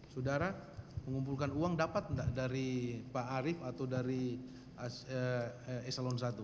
saudara mengumpulkan uang dapat tidak dari pak arief atau dari eselon i